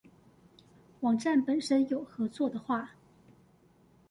網站本身有合作的話